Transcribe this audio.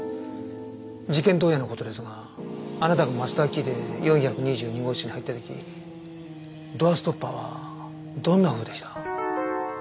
事件当夜の事ですがあなたがマスターキーで４２２号室に入った時ドアストッパーはどんなふうでした？